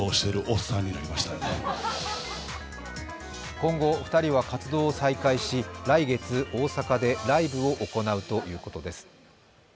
今後、２人は活動を再開し来月、大阪でライブを行うということです。